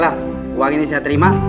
wah uang ini saya terima